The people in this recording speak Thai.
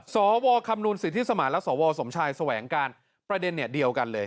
สวคำนวณสิทธิสมานและสวสมชายแสวงการประเด็นเดียวกันเลย